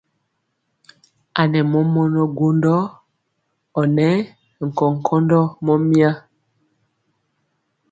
A nɛ mɔmɔnɔ gwondɔ ɔ nɛ nkɔnkɔndɔ mɔmya.